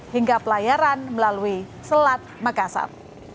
hingga pelayaran melalui selat makassar